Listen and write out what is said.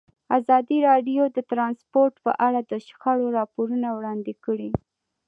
ازادي راډیو د ترانسپورټ په اړه د شخړو راپورونه وړاندې کړي.